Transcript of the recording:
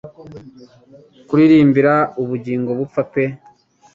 Kuririmbira ubugingo bupfa pe